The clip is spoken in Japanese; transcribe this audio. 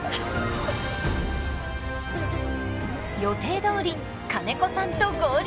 予定どおり金子さんと合流。